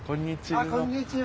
あっこんにちは。